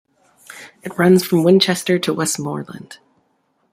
It runs from Winchester to Westmoreland.